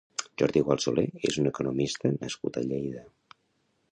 Jordi Gual Solé és un economista nascut a Lleida.